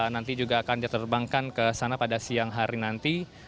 nanti juga akan diterbangkan ke sana pada siang hari nanti